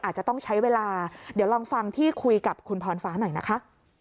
อาจจะต้องใช้เวลาเดี๋ยวลองฟังที่คุยกับคุณพรฟ้าหน่อยนะคะ